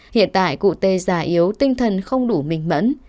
hiện tại cụ tê già yếu tinh thần không đủ minh mẫn